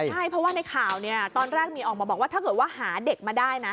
ใช่เพราะว่าในข่าวเนี่ยตอนแรกมีออกมาบอกว่าถ้าเกิดว่าหาเด็กมาได้นะ